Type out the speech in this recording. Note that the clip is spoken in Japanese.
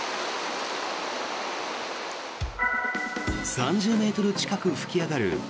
３０ｍ近く噴き上がる